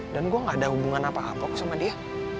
dan gue gak ada hubungan apa apa sama dia